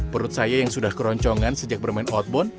perut saya yang sudah keroncongan sejak bermain outbound